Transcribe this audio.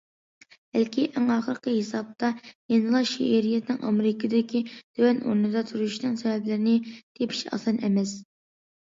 بەلكى، ئەڭ ئاخىرقى ھېسابتا يەنىلا شېئىرىيەتنىڭ ئامېرىكىدىكى تۆۋەن ئورۇندا تۇرۇشىنىڭ سەۋەبلىرىنى تېپىش ئاسان ئەمەس.